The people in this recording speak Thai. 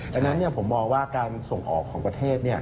ดังนั้นผมมองว่าการส่งออกของประเทศ